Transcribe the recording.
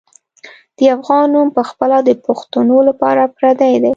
د افغان نوم پخپله د پښتنو لپاره پردی دی.